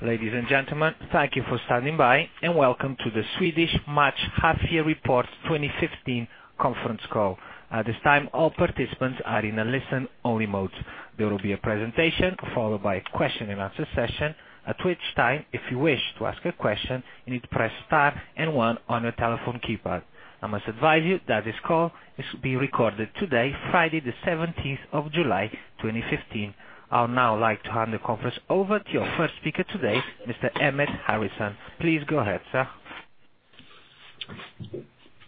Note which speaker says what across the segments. Speaker 1: Ladies and gentlemen, thank you for standing by and welcome to the Swedish Match Half Year Report 2015 conference call. At this time, all participants are in a listen-only mode. There will be a presentation followed by a question and answer session. At which time, if you wish to ask a question, you need to press star and one on your telephone keypad. I must advise you that this call is to be recorded today, Friday the 17th of July, 2015. I would now like to hand the conference over to your first speaker today, Mr. Emmett Harrison. Please go ahead, sir.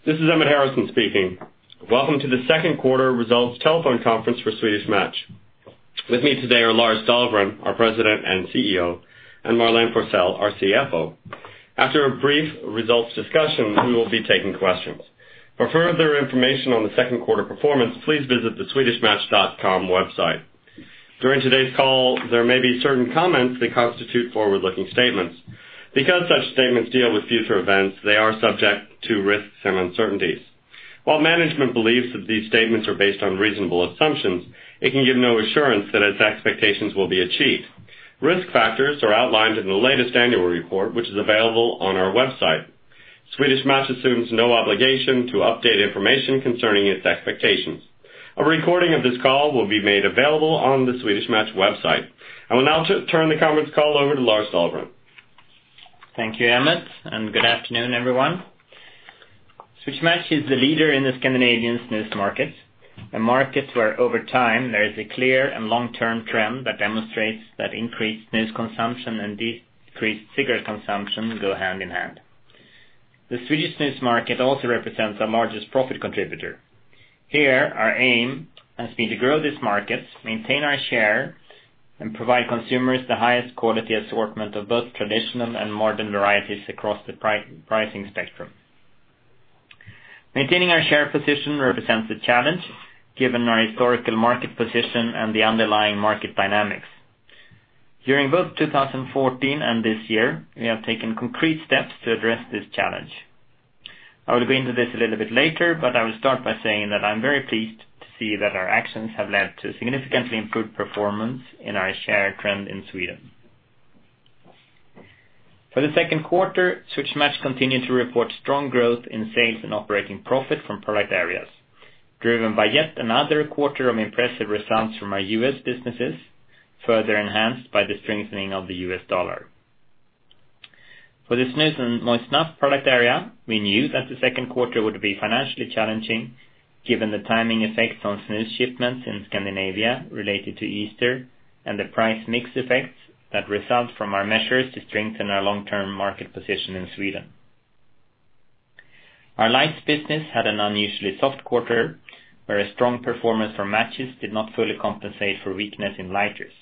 Speaker 2: This is Emmett Harrison speaking. Welcome to the second quarter results telephone conference for Swedish Match. With me today are Lars Dahlgren, our President and CEO, and Marlene Forssell, our CFO. After a brief results discussion, we will be taking questions. For further information on the second quarter performance, please visit the swedishmatch.com website. During today's call, there may be certain comments that constitute forward-looking statements. Such statements deal with future events, they are subject to risks and uncertainties. While management believes that these statements are based on reasonable assumptions, it can give no assurance that its expectations will be achieved. Risk factors are outlined in the latest annual report, which is available on our website. Swedish Match assumes no obligation to update information concerning its expectations. A recording of this call will be made available on the Swedish Match website. I will now turn the conference call over to Lars Dahlgren.
Speaker 3: Thank you, Emmett. Good afternoon, everyone. Swedish Match is the leader in the Scandinavian snus market. A market where over time there is a clear and long-term trend that demonstrates that increased snus consumption and decreased cigarette consumption go hand in hand. The Swedish snus market also represents our largest profit contributor. Here, our aim has been to grow this market, maintain our share, and provide consumers the highest quality assortment of both traditional and modern varieties across the pricing spectrum. Maintaining our share position represents a challenge, given our historical market position and the underlying market dynamics. During both 2014 and this year, we have taken concrete steps to address this challenge. I will go into this a little bit later, I will start by saying that I'm very pleased to see that our actions have led to significantly improved performance in our share trend in Sweden. For the second quarter, Swedish Match continued to report strong growth in sales and operating profit from product areas, driven by yet another quarter of impressive results from our U.S. businesses, further enhanced by the strengthening of the U.S. dollar. For the snus and moist snuff product area, we knew that the second quarter would be financially challenging given the timing effects on snus shipments in Scandinavia related to Easter and the price mix effects that result from our measures to strengthen our long-term market position in Sweden. Our Lights business had an unusually soft quarter, where a strong performance from matches did not fully compensate for weakness in lighters.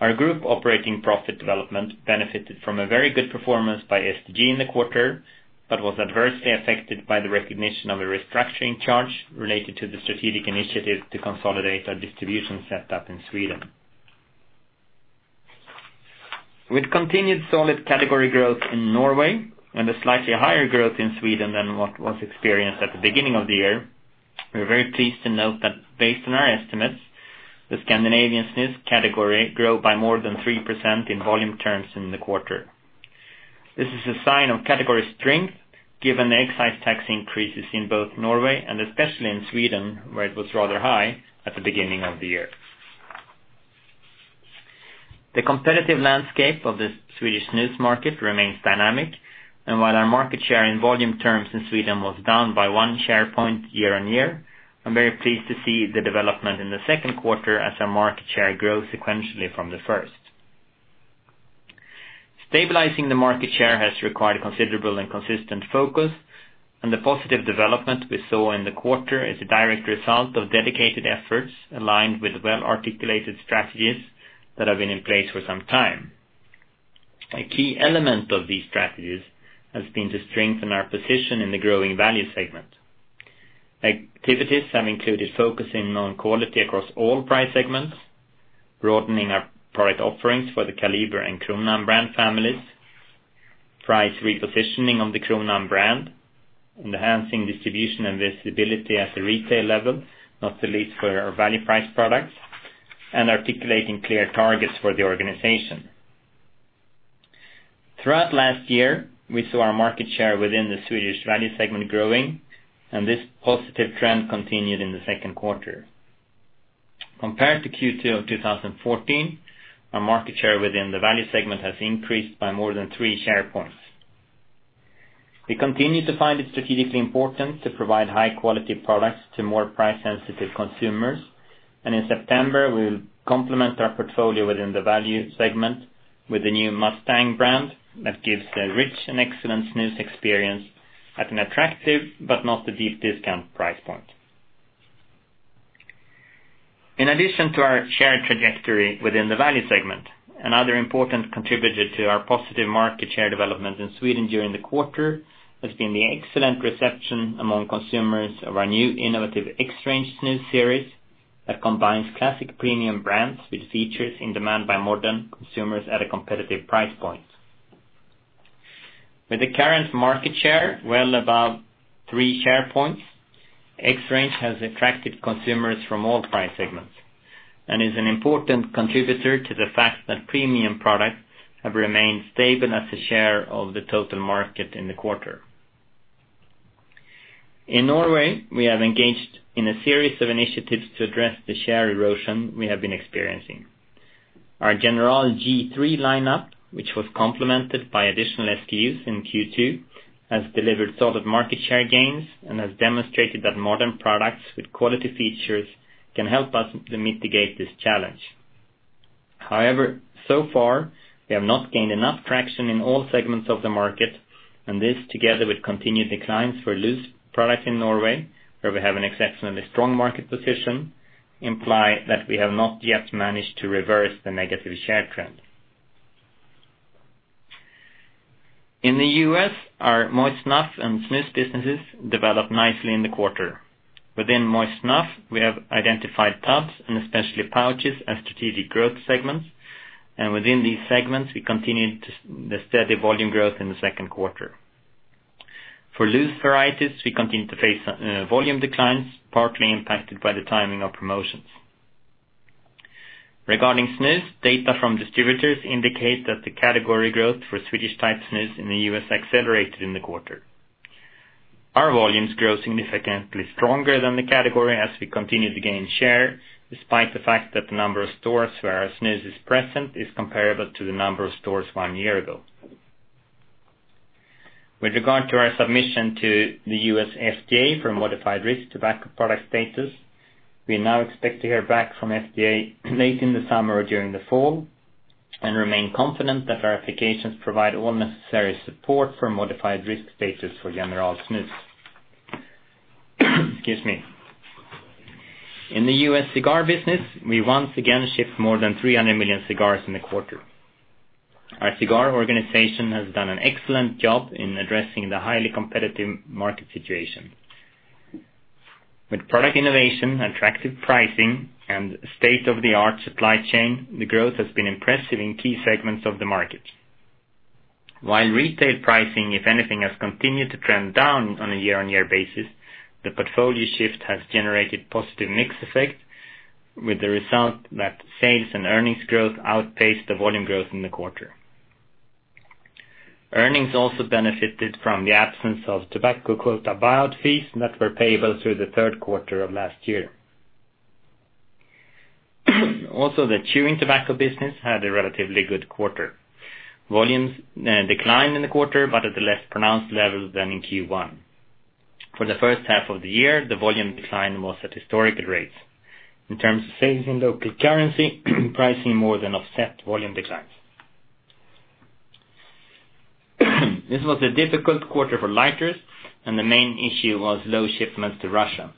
Speaker 3: Our group operating profit development benefited from a very good performance by STG in the quarter, but was adversely affected by the recognition of a restructuring charge related to the strategic initiative to consolidate our distribution setup in Sweden. With continued solid category growth in Norway and a slightly higher growth in Sweden than what was experienced at the beginning of the year, we are very pleased to note that based on our estimates, the Scandinavian snus category grew by more than 3% in volume terms in the quarter. This is a sign of category strength given the excise tax increases in both Norway and especially in Sweden, where it was rather high at the beginning of the year. The competitive landscape of the Swedish snus market remains dynamic, while our market share in volume terms in Sweden was down by one share point year-over-year, I am very pleased to see the development in the second quarter as our market share grows sequentially from the first. Stabilizing the market share has required considerable and consistent focus. The positive development we saw in the quarter is a direct result of dedicated efforts aligned with well-articulated strategies that have been in place for some time. A key element of these strategies has been to strengthen our position in the growing value segment. Activities have included focusing on quality across all price segments, broadening our product offerings for the Kaliber and Kronan brand families, price repositioning on the Kronan brand, enhancing distribution and visibility at the retail level, not the least for our value price products, articulating clear targets for the organization. Throughout last year, we saw our market share within the Swedish value segment growing. This positive trend continued in the second quarter. Compared to Q2 of 2014, our market share within the value segment has increased by more than three share points. We continue to find it strategically important to provide high-quality products to more price-sensitive consumers. In September, we will complement our portfolio within the value segment with the new Mustang brand that gives a rich and excellent snus experience at an attractive but not a deep discount price point. In addition to our share trajectory within the value segment, another important contributor to our positive market share development in Sweden during the quarter has been the excellent reception among consumers of our new innovative XRANGE snus series that combines classic premium brands with features in demand by modern consumers at a competitive price point. With the current market share well above three share points, XRANGE has attracted consumers from all price segments and is an important contributor to the fact that premium products have remained stable as a share of the total market in the quarter. In Norway, we have engaged in a series of initiatives to address the share erosion we have been experiencing. Our G.3 lineup, which was complemented by additional SKUs in Q2, has delivered solid market share gains and has demonstrated that modern products with quality features can help us mitigate this challenge. However, so far, we have not gained enough traction in all segments of the market. This, together with continued declines for loose products in Norway, where we have an exceptionally strong market position, imply that we have not yet managed to reverse the negative share trend. In the U.S., our moist snuff and snus businesses developed nicely in the quarter. Within moist snuff, we have identified tubs and especially pouches as strategic growth segments, and within these segments, we continued the steady volume growth in the second quarter. For loose varieties, we continue to face volume declines, partly impacted by the timing of promotions. Regarding snus, data from distributors indicate that the category growth for Swedish-type snus in the U.S. accelerated in the quarter. Our volumes grow significantly stronger than the category as we continue to gain share, despite the fact that the number of stores where our snus is present is comparable to the number of stores one year ago. With regard to our submission to the U.S. FDA for modified risk tobacco product status, we now expect to hear back from FDA late in the summer or during the fall and remain confident that our applications provide all necessary support for modified risk status for General Snus. Excuse me. In the U.S. cigar business, we once again shipped more than 300 million cigars in the quarter. Our cigar organization has done an excellent job in addressing the highly competitive market situation. With product innovation, attractive pricing, and state-of-the-art supply chain, the growth has been impressive in key segments of the market. While retail pricing, if anything, has continued to trend down on a year-over-year basis, the portfolio shift has generated positive mix effect, with the result that sales and earnings growth outpaced the volume growth in the quarter. Earnings also benefited from the absence of tobacco quota buyout fees that were payable through the third quarter of last year. Also, the chewing tobacco business had a relatively good quarter. Volumes declined in the quarter, but at a less pronounced level than in Q1. For the first half of the year, the volume decline was at historic rates. In terms of sales in local currency, pricing more than offset volume declines. This was a difficult quarter for lighters. The main issue was low shipments to Russia.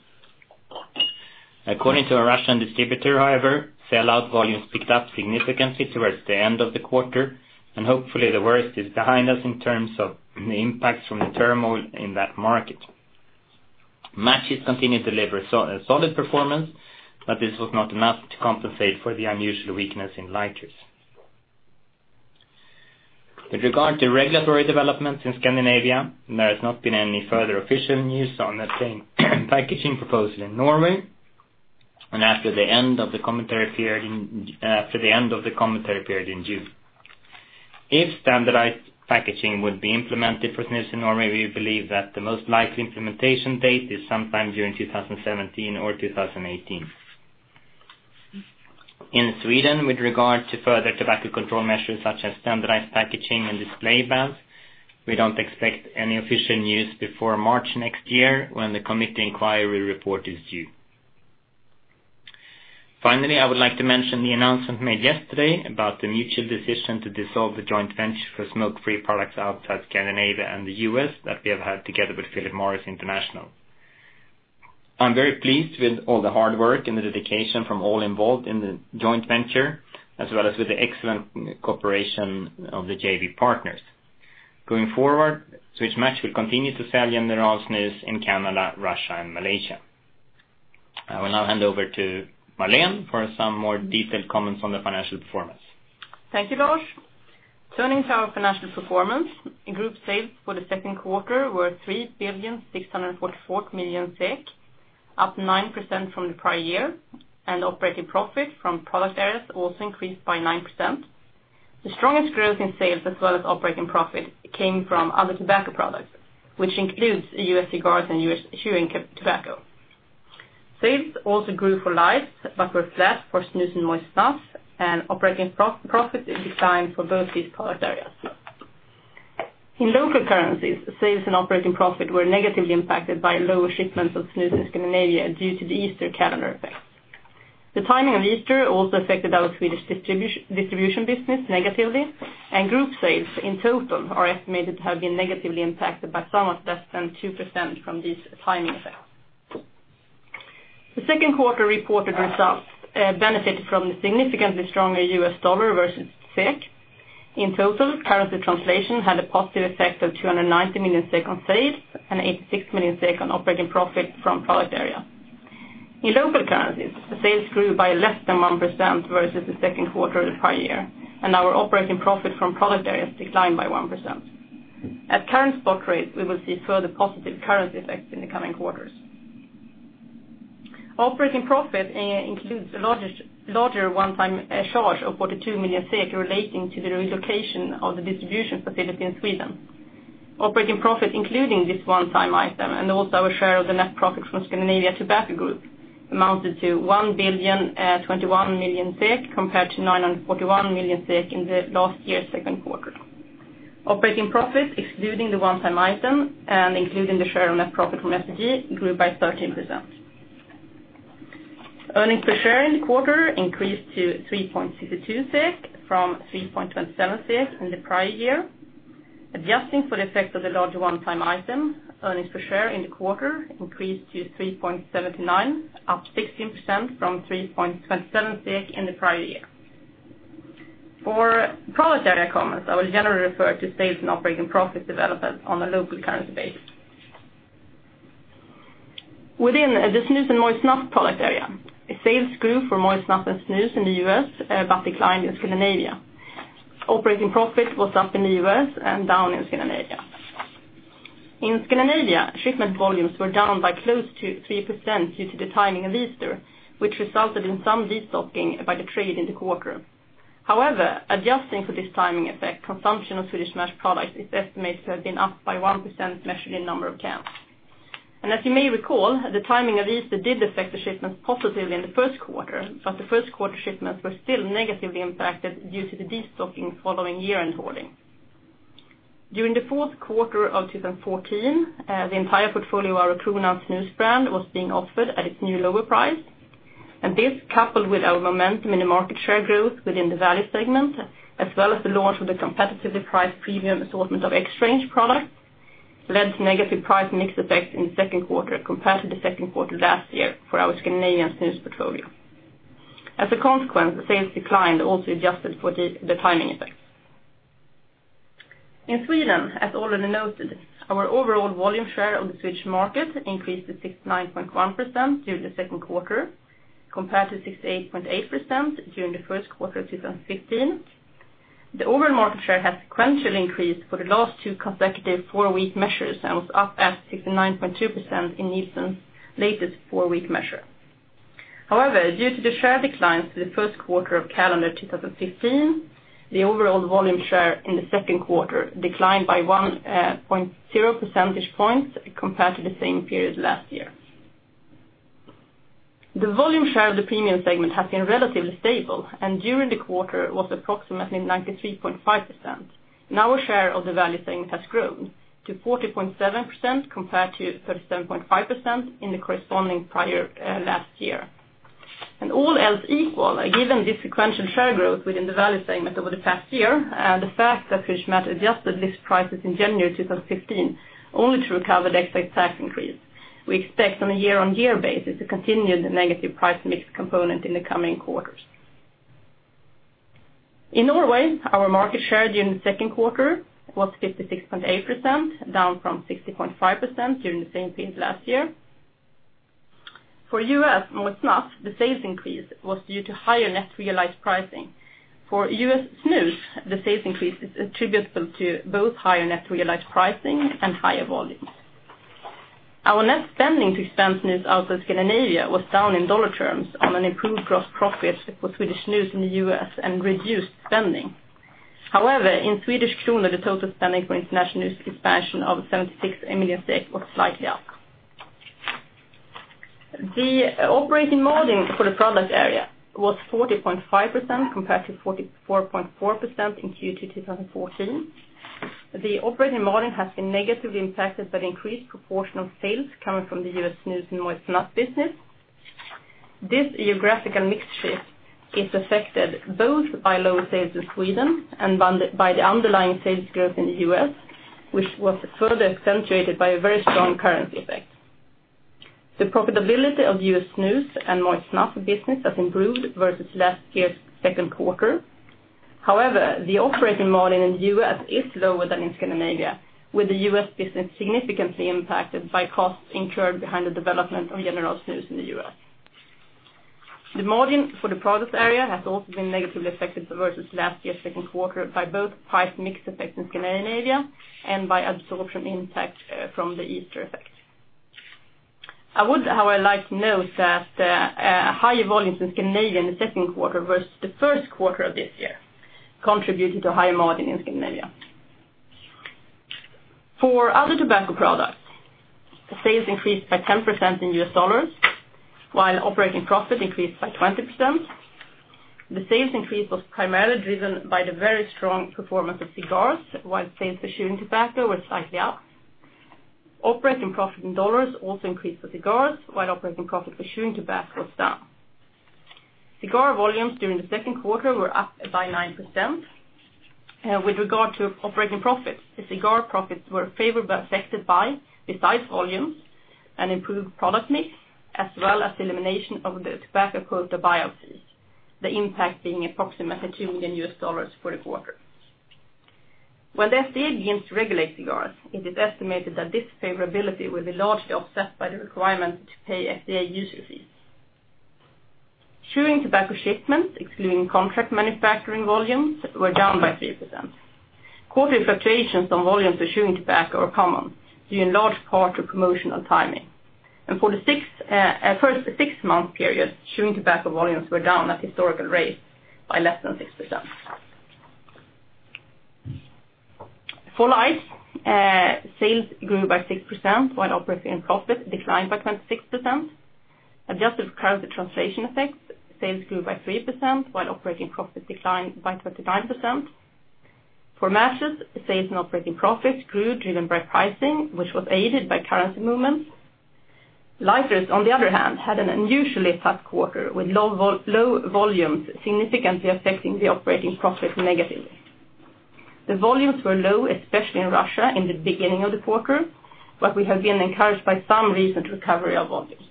Speaker 3: According to a Russian distributor, however, sellout volumes picked up significantly towards the end of the quarter. Hopefully the worst is behind us in terms of the impacts from the turmoil in that market. matches continued to deliver a solid performance. This was not enough to compensate for the unusual weakness in lighters. With regard to regulatory developments in Scandinavia, there has not been any further official news on the plain packaging proposal in Norway. After the end of the commentary period in June, if standardized packaging would be implemented for snus in Norway, we believe that the most likely implementation date is sometime during 2017 or 2018. In Sweden, with regard to further tobacco control measures such as standardized packaging and display bans, we don't expect any official news before March next year when the committee inquiry report is due. Finally, I would like to mention the announcement made yesterday about the mutual decision to dissolve the joint venture for smoke-free products outside Scandinavia and the U.S. that we have had together with Philip Morris International. I'm very pleased with all the hard work and the dedication from all involved in the joint venture, as well as with the excellent cooperation of the JV partners. Going forward, Swedish Match will continue to sell General Snus in Canada, Russia, and Malaysia. I will now hand over to Marlene for some more detailed comments on the financial performance.
Speaker 4: Thank you, Lars. Turning to our financial performance, group sales for the second quarter were 3,644,000,000 SEK, up 9% from the prior year, and operating profit from product areas also increased by 9%. The strongest growth in sales as well as operating profit came from other tobacco products, which includes U.S. cigars and U.S. chewing tobacco. Sales also grew for Lights but were flat for snus and moist snuff, and operating profit declined for both these product areas. In local currencies, sales and operating profit were negatively impacted by lower shipments of snus in Scandinavia due to the Easter calendar effect. The timing of Easter also affected our Swedish distribution business negatively, and group sales in total are estimated to have been negatively impacted by somewhat less than 2% from this timing effect. The second quarter reported results benefited from the significantly stronger U.S. dollar versus SEK. In total, currency translation had a positive effect of 290 million SEK on sales and 86 million SEK on operating profit from product area. In local currencies, the sales grew by less than 1% versus the second quarter of the prior year, and our operating profit from product areas declined by 1%. At current spot rates, we will see further positive currency effects in the coming quarters. Operating profit includes a larger one-time charge of 42 million relating to the relocation of the distribution facility in Sweden. Operating profit, including this one-time item and also our share of the net profit from Scandinavian Tobacco Group, amounted to 1,021 million SEK compared to 941 million SEK in the last year's second quarter. Operating profit excluding the one-time item and including the share of net profit from STG grew by 13%. Earnings per share in the quarter increased to 3.62 SEK from 3.27 SEK in the prior year. Adjusting for the effect of the larger one-time item, earnings per share in the quarter increased to 3.79, up 16% from 3.27 in the prior year. For product area comments, I will generally refer to sales and operating profit development on a local currency basis. Within the snus and moist snuff product area, sales grew for moist snuff and snus in the U.S., but declined in Scandinavia. Operating profit was up in the U.S. and down in Scandinavia. In Scandinavia, shipment volumes were down by close to 3% due to the timing of Easter, which resulted in some destocking by the trade in the quarter. However, adjusting for this timing effect, consumption of Swedish Match products is estimated to have been up by 1% measured in number of cans. As you may recall, the timing of Easter did affect the shipments positively in the first quarter, but the first quarter shipments were still negatively impacted due to the destocking following year-end hoarding. During the fourth quarter of 2014, the entire portfolio of our Kronan snus brand was being offered at its new lower price, and this, coupled with our momentum in the market share growth within the value segment, as well as the launch of the competitively priced premium assortment of XRANGE product, led to negative price mix effect in the second quarter compared to the second quarter last year for our Scandinavian snus portfolio. As a consequence, the sales declined, also adjusted for the timing effect. In Sweden, as already noted, our overall volume share of the Swedish market increased to 69.1% during the second quarter compared to 68.8% during the first quarter of 2015. The overall market share has sequentially increased for the last two consecutive four-week measures and was up at 69.2% in Nielsen's latest four-week measure. However, due to the share declines for the first quarter of calendar 2015, the overall volume share in the second quarter declined by 1.0 percentage points compared to the same period last year. The volume share of the premium segment has been relatively stable, and during the quarter was approximately 93.5%. Our share of the value segment has grown to 40.7% compared to 37.5% in the corresponding prior last year. All else equal, given this sequential share growth within the value segment over the past year, the fact that Swedish Match adjusted list prices in January 2015 only to recover the excise tax increase, we expect on a year-on-year basis to continue the negative price mix component in the coming quarters. In Norway, our market share during the second quarter was 56.8%, down from 60.5% during the same period last year. For U.S. moist snuff, the sales increase was due to higher net realized pricing. For U.S. snus, the sales increase is attributable to both higher net realized pricing and higher volumes. Our net spending to expand snus out of Scandinavia was down in dollar terms on an improved gross profit for Swedish snus in the U.S. and reduced spending. However, in SEK, the total spending for international snus expansion of 76 million SEK was slightly up. The operating margin for the product area was 40.5% compared to 44.4% in Q2 2014. The operating margin has been negatively impacted by the increased proportion of sales coming from the U.S. snus and moist snuff business. This geographical mix shift is affected both by lower sales in Sweden and by the underlying sales growth in the U.S., which was further accentuated by a very strong currency effect. The profitability of U.S. snus and moist snuff business has improved versus last year's second quarter. However, the operating margin in the U.S. is lower than in Scandinavia, with the U.S. business significantly impacted by costs incurred behind the development of General Snus in the U.S. The margin for the product area has also been negatively affected versus last year's second quarter by both price mix effect in Scandinavia and by absorption impact from the Easter effect. I would, however, like to note that higher volumes in Scandinavia in the second quarter versus the first quarter of this year contributed to higher margin in Scandinavia. For other tobacco products, the sales increased by 10% in US dollars, while operating profit increased by 20%. The sales increase was primarily driven by the very strong performance of cigars, while sales for chewing tobacco were slightly up. Operating profit in dollars also increased for cigars, while operating profit for chewing tobacco was down. Cigar volumes during the second quarter were up by 9%. With regard to operating profits, the cigar profits were favorably affected by, besides volumes, an improved product mix, as well as the elimination of the tobacco quota buyout fees, the impact being approximately $2 million for the quarter. When the FDA begins to regulate cigars, it is estimated that this favorability will be largely offset by the requirement to pay FDA user fees. Chewing tobacco shipments, excluding contract manufacturing volumes, were down by 3%. Quarterly fluctuations on volumes of chewing tobacco are common, due in large part to promotional timing. For the first six-month period, chewing tobacco volumes were down at historical rates by less than 6%. For Lights, sales grew by 6%, while operating profit declined by 26%. Adjusted for currency translation effects, sales grew by 3%, while operating profit declined by 29%. For Matches, sales and operating profits grew driven by pricing, which was aided by currency movements. Lighters, on the other hand, had an unusually tough quarter with low volumes significantly affecting the operating profit negatively. The volumes were low, especially in Russia in the beginning of the quarter, but we have been encouraged by some recent recovery of volumes.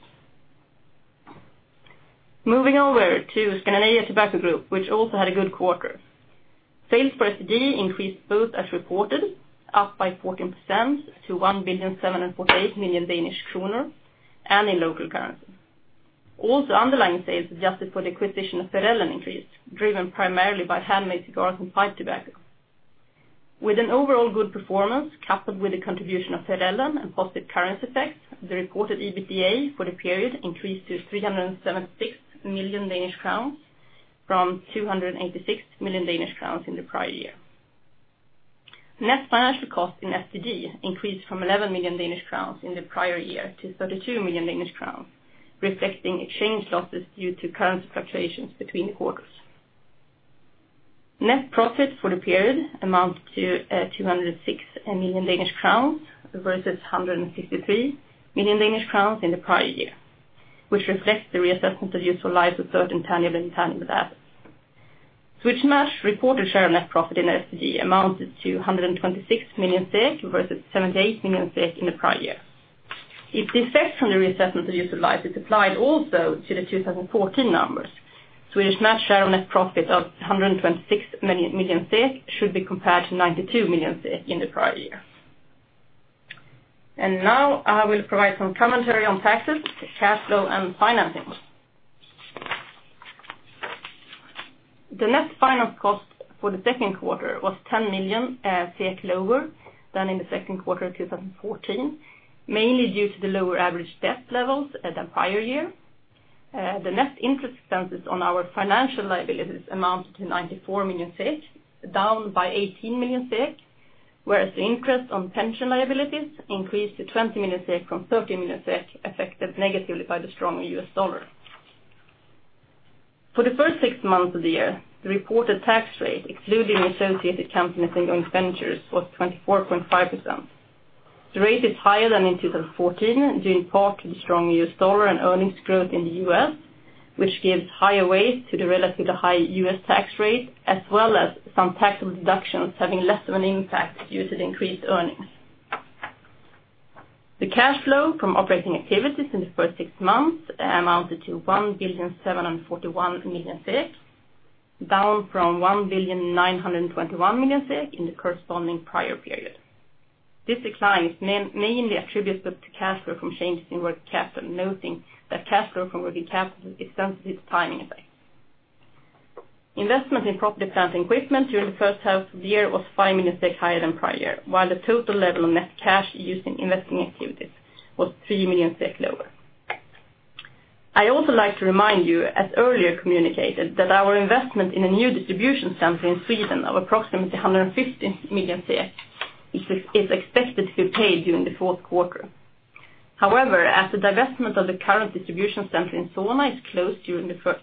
Speaker 4: Moving over to Scandinavian Tobacco Group, which also had a good quarter. Sales for STG increased both as reported, up by 14% to 1,748,000 Danish kroner, and in local currency. Also underlying sales, adjusted for the acquisition of Verellen increased, driven primarily by handmade cigars and pipe tobacco. With an overall good performance coupled with the contribution of Verellen and positive currency effects, the reported EBITDA for the period increased to 376 million Danish crowns from 286 million Danish crowns in the prior year. Net financial cost in STG increased from 11 million Danish crowns in the prior year to 32 million Danish crowns, reflecting exchange losses due to currency fluctuations between the quarters. Net profit for the period amounted to 206 million Danish crowns versus 163 million Danish crowns in the prior year, which reflects the reassessment of useful lives of certain tangible and intangible assets. Swedish Match reported share of net profit in STG amounted to 126 million SEK, versus 78 million SEK in the prior year. If the effect from the reassessment of user life is applied also to the 2014 numbers, Swedish Match share on net profit of 126 million should be compared to 92 million SEK in the prior year. Now I will provide some commentary on taxes, cash flow, and financing. The net finance cost for the second quarter was 10 million lower than in the second quarter of 2014, mainly due to the lower average debt levels at the prior year. The net interest expenses on our financial liabilities amounted to 94 million SEK, down by 18 million SEK, whereas the interest on pension liabilities increased to 20 million SEK from 30 million SEK affected negatively by the stronger US dollar. For the first six months of the year, the reported tax rate, excluding associated company and joint ventures, was 24.5%. The rate is higher than in 2014, due in part to the strong US dollar and earnings growth in the U.S., which gives higher weight to the relatively high U.S. tax rate, as well as some taxable deductions having less of an impact due to the increased earnings. The cash flow from operating activities in the first six months amounted to 1,741,000,000, down from 1,921,000,000 in the corresponding prior period. This decline is mainly attributable to cash flow from changes in working capital, noting that cash flow from working capital is sensitive to timing effect. Investment in property, plant, and equipment during the first half of the year was 5 million higher than prior year, while the total level of net cash used in investing activities was 3 million lower. I also like to remind you, as earlier communicated, that our investment in a new distribution center in Sweden of approximately 150 million is expected to be paid during the fourth quarter. However, as the divestment of the current distribution center in Solna is closed during the first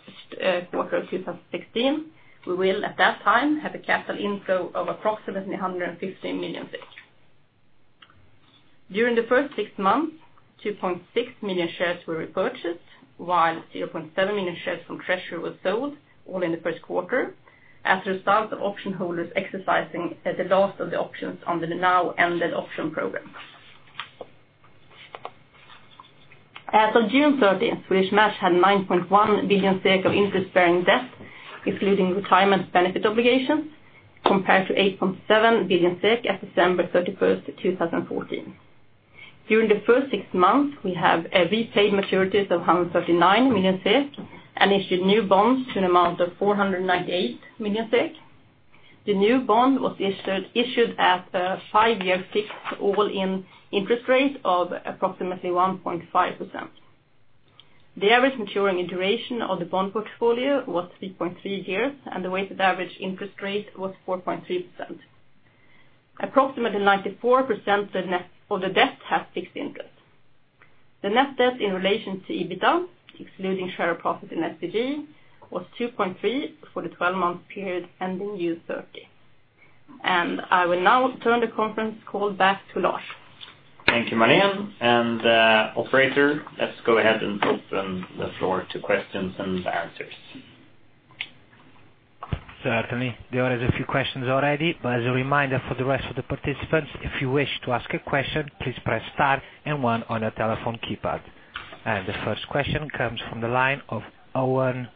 Speaker 4: quarter of 2016, we will at that time have a capital inflow of approximately 115 million. During the first six months, 2.6 million shares were repurchased, while 0.7 million shares from treasury were sold all in the first quarter as a result of option holders exercising the last of the options under the now ended option program. As of June 30th, Swedish Match had 9.1 billion of interest-bearing debt, excluding retirement benefit obligations, compared to 8.7 billion SEK as of December 31st, 2014. During the first six months, we have repaid maturities of 139 million SEK and issued new bonds to an amount of 498 million SEK. The new bond was issued at a five-year fixed all-in interest rate of approximately 1.5%. The average maturing duration of the bond portfolio was 3.3 years, and the weighted average interest rate was 4.3%. Approximately 94% of the debt has fixed interest. The net debt in relation to EBITDA, excluding share of profit in STG, was 2.3 for the 12-month period ending June 30. I will now turn the conference call back to Lars.
Speaker 3: Thank you, Marlene. Operator, let's go ahead and open the floor to questions and answers.
Speaker 1: Certainly. There are a few questions already. As a reminder for the rest of the participants, if you wish to ask a question, please press star 1 on your telephone keypad. The first question comes from the line of Owen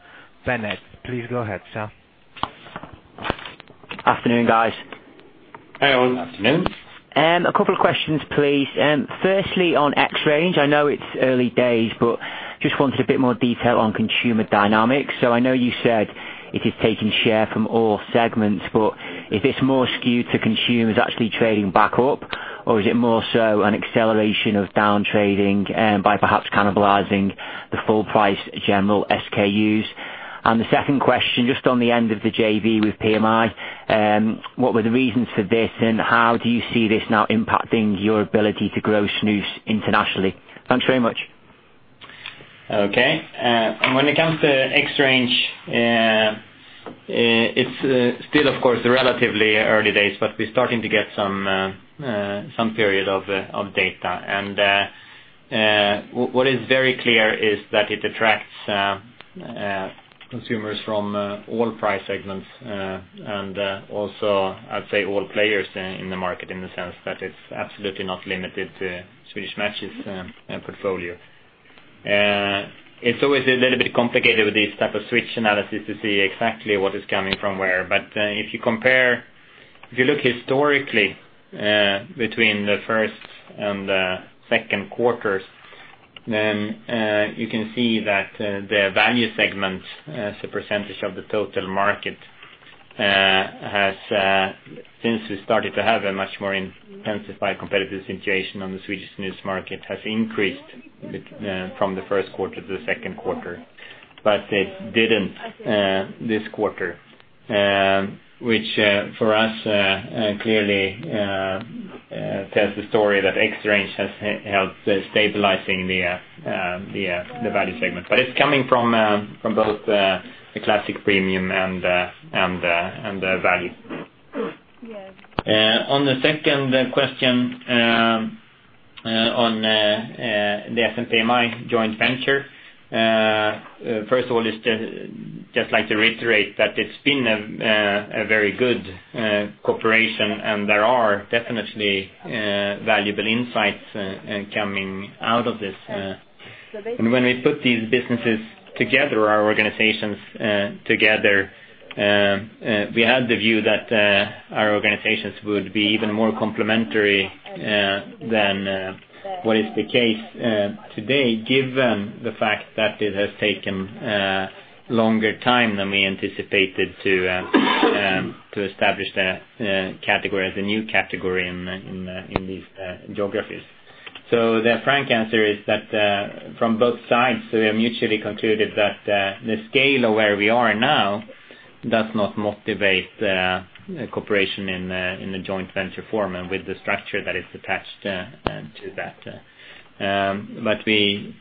Speaker 1: Bennett. Please go ahead, sir.
Speaker 5: Afternoon, guys.
Speaker 3: Hi, Owen. Afternoon.
Speaker 5: 2 questions, please. Firstly, on XRANGE, I know it's early days, but just wanted a bit more detail on consumer dynamics. I know you said it is taking share from all segments, but is this more skewed to consumers actually trading back up? Or is it more so an acceleration of down trading by perhaps cannibalizing the full price General SKUs? The second question, just on the end of the JV with PMI, what were the reasons for this, and how do you see this now impacting your ability to grow snus internationally? Thanks very much.
Speaker 3: Okay. When it comes to XRANGE, it's still, of course, relatively early days, but we're starting to get some period of data. What is very clear is that it attracts consumers from all price segments, and also, I'd say, all players in the market in the sense that it's absolutely not limited to Swedish Match's portfolio. It's always a little bit complicated with these type of switch analysis to see exactly what is coming from where. If you look historically between the first and the second quarters, then you can see that the value segment as a percentage of the total market has, since we started to have a much more intensified competitive situation on the Swedish snus market, has increased from the first quarter to the second quarter. It didn't this quarter, which for us clearly tells the story that XRANGE has helped stabilizing the value segment. It's coming from both the classic premium and the value. On the second question on the SMPMI joint venture. First of all, I'd just like to reiterate that it's been a very good cooperation, and there are definitely valuable insights coming out of this. When we put these businesses together, our organizations together, we had the view that our organizations would be even more complementary than what is the case today, given the fact that it has taken a longer time than we anticipated to establish the category as a new category in these geographies. The frank answer is that from both sides, we have mutually concluded that the scale of where we are now does not motivate cooperation in the joint venture form and with the structure that is attached to that.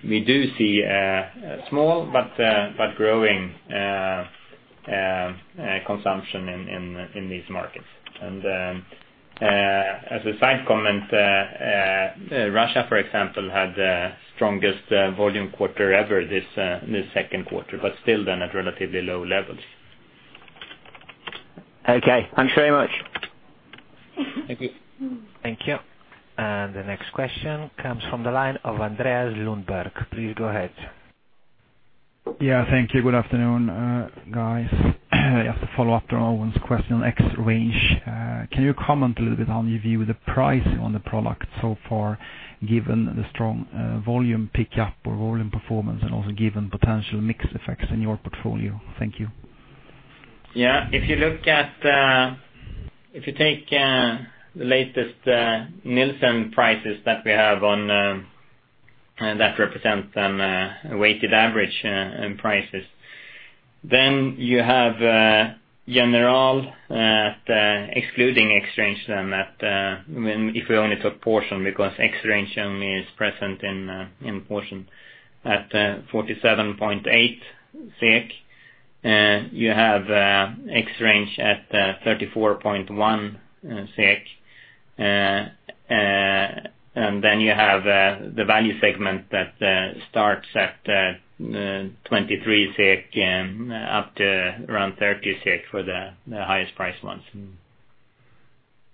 Speaker 3: We do see a small but growing consumption in these markets. As a side comment, Russia, for example, had the strongest volume quarter ever this second quarter, but still then at relatively low levels.
Speaker 5: Okay. Thanks very much.
Speaker 3: Thank you.
Speaker 1: Thank you. The next question comes from the line of Anders Larsson. Please go ahead.
Speaker 6: Thank you. Good afternoon, guys. As a follow-up to Owen's question on XRANGE, can you comment a little bit on your view of the pricing on the product so far, given the strong volume pickup or volume performance, and also given potential mix effects in your portfolio? Thank you.
Speaker 3: If you take the latest Nielsen prices that we have that represent a weighted average in prices, then you have General, excluding XRANGE then, if we only took portion, because XRANGE only is present in portion at 47.8 SEK. You have XRANGE at 34.1 SEK. Then you have the value segment that starts at 23 SEK and up to around 30 SEK for the highest priced ones.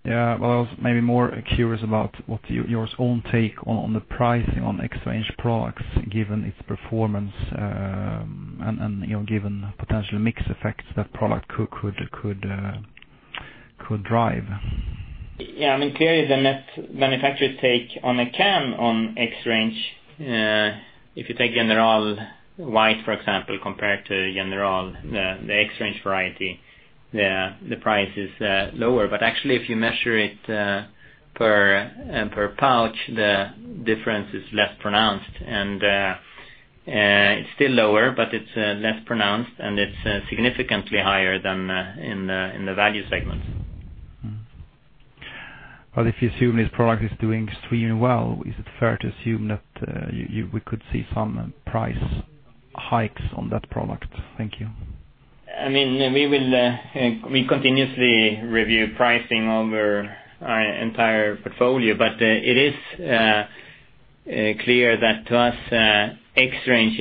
Speaker 6: Yeah. Well, I was maybe more curious about what your own take on the pricing on XRANGE products, given its performance, and given potential mix effects that product could drive.
Speaker 3: Yeah, clearly the net manufacturer take on a can on XRANGE, if you take General White, for example, compared to General, the XRANGE variety, the price is lower. Actually, if you measure it per pouch, the difference is less pronounced. It's still lower, but it's less pronounced, and it's significantly higher than in the value segment.
Speaker 6: Well, if you assume this product is doing extremely well, is it fair to assume that we could see some price hikes on that product? Thank you.
Speaker 3: We continuously review pricing over our entire portfolio. It is clear that to us, XRANGE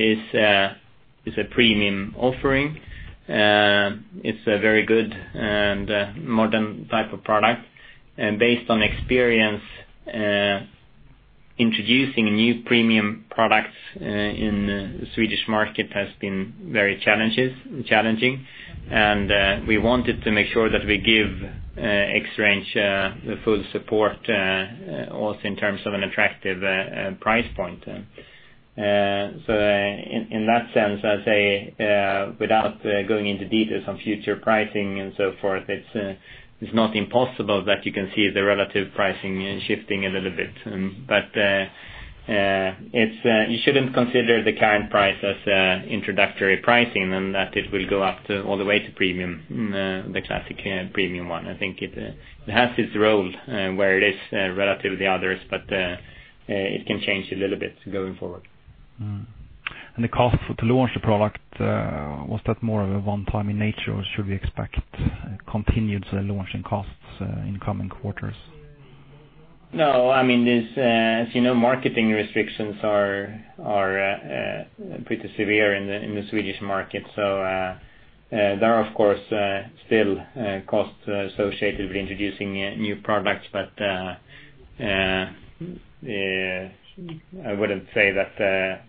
Speaker 3: is a premium offering. It's a very good and modern type of product. Based on experience, introducing new premium products in the Swedish market has been very challenging. We wanted to make sure that we give XRANGE the full support also in terms of an attractive price point. In that sense, I'd say, without going into details on future pricing and so forth, it's not impossible that you can see the relative pricing shifting a little bit. You shouldn't consider the current price as introductory pricing, and that it will go up all the way to the classic premium one. I think it has its role where it is relative to the others, but it can change a little bit going forward.
Speaker 6: The cost to launch the product, was that more of a one-time in nature, or should we expect continued launching costs in coming quarters?
Speaker 3: No. As you know, marketing restrictions are pretty severe in the Swedish market. There are, of course, still costs associated with introducing new products, but I wouldn't say that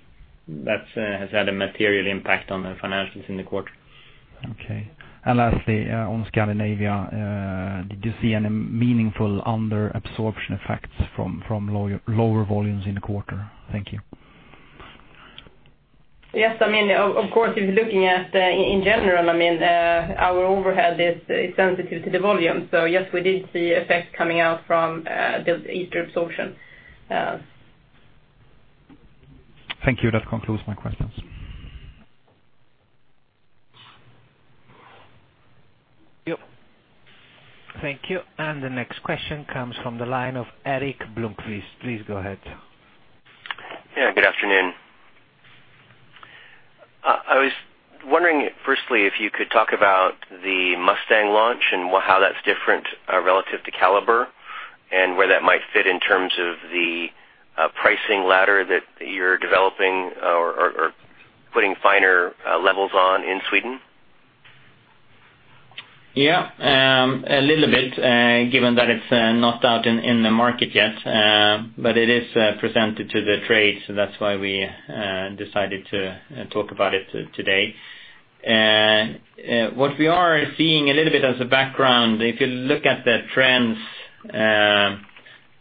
Speaker 3: has had a material impact on the financials in the quarter.
Speaker 6: Okay. Lastly, on Scandinavia, did you see any meaningful under-absorption effects from lower volumes in the quarter? Thank you.
Speaker 4: Yes. Of course, if you're looking at, in general, our overhead is sensitive to the volume. Yes, we did see effects coming out from the Easter absorption.
Speaker 6: Thank you. That concludes my questions.
Speaker 1: Yep. Thank you. The next question comes from the line of Erik Bloomquist. Please go ahead.
Speaker 7: Yeah, good afternoon. I was wondering, firstly, if you could talk about the Mustang launch and how that's different relative to Kaliber, and where that might fit in terms of the pricing ladder that you're developing or putting finer levels on in Sweden?
Speaker 3: Yeah. A little bit, given that it's not out in the market yet. It is presented to the trades. That's why we decided to talk about it today. What we are seeing a little bit as a background, if you look at the trends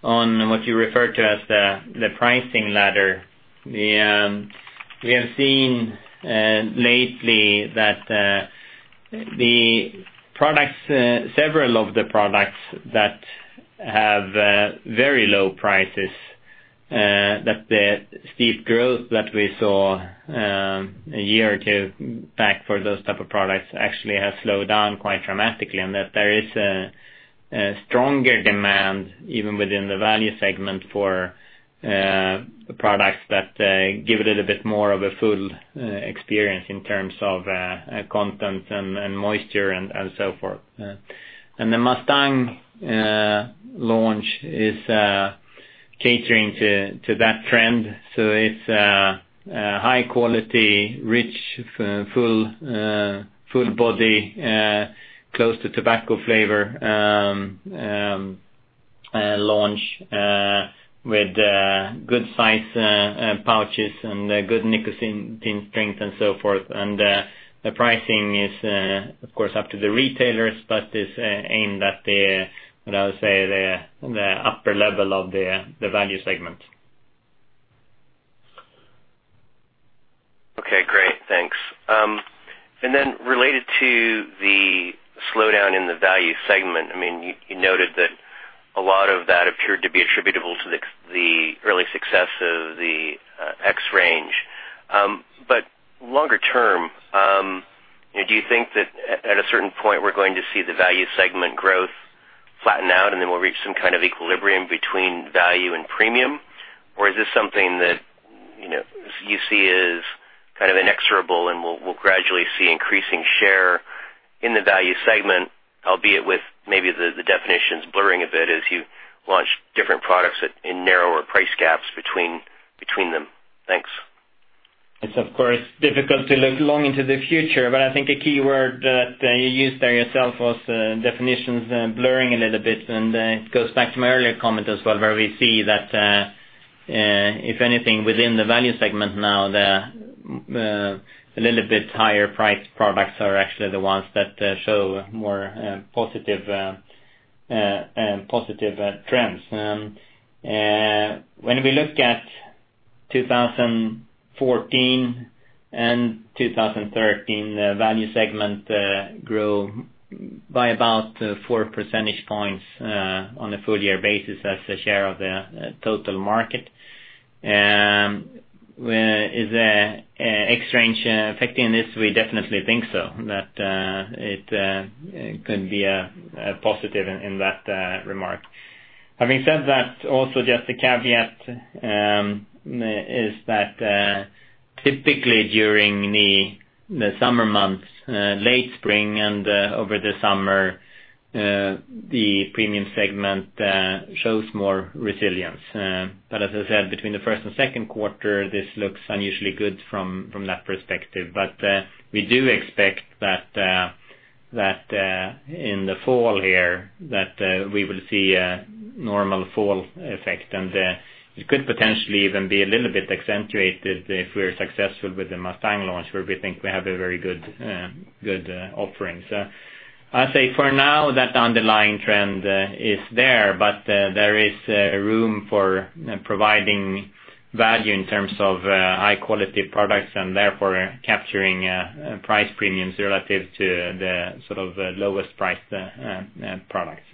Speaker 3: on what you refer to as the pricing ladder, we have seen lately that several of the products that have very low prices, that the steep growth that we saw a year or two back for those type of products actually has slowed down quite dramatically. There is a stronger demand, even within the value segment, for products that give it a little bit more of a full experience in terms of content and moisture and so forth. The Mustang launch is catering to that trend. It's a high quality, rich, full body, close to tobacco flavor launch with good size pouches and good nicotine strength and so forth. The pricing is, of course, up to the retailers, but is aimed at the, what I would say, the upper level of the value segment.
Speaker 7: Okay, great. Thanks. Then related to the slowdown in the value segment, you noted that a lot of that appeared to be attributable to the early success of the XRANGE. Longer term, do you think that at a certain point we're going to see the value segment growth flatten out, and then we'll reach some kind of equilibrium between value and premium? Is this something that you see as inexorable and we'll gradually see increasing share in the value segment, albeit with maybe the definitions blurring a bit as you launch different products in narrower price gaps between them? Thanks.
Speaker 3: It's of course difficult to look long into the future, but I think a key word that you used there yourself was definitions blurring a little bit. It goes back to my earlier comment as well, where we see that, if anything, within the value segment now, the little bit higher priced products are actually the ones that show more positive trends. When we look at 2014 and 2013, the value segment grew by about four percentage points on a full year basis as a share of the total market. Is XRANGE affecting this? We definitely think so, that it could be a positive in that remark. Having said that, also just a caveat is that typically during the summer months, late spring and over the summer, the premium segment shows more resilience. As I said, between the first and second quarter, this looks unusually good from that perspective. We do expect that in the fall here that we will see a normal fall effect, and it could potentially even be a little bit accentuated if we're successful with the Mustang launch, where we think we have a very good offerings. I'll say for now that the underlying trend is there, but there is room for providing value in terms of high-quality products and therefore capturing price premiums relative to the lowest price products.